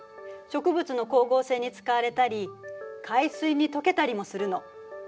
植物の光合成に使われたり海水に溶けたりもするの。